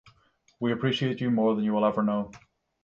We appreciate you more than you will ever know.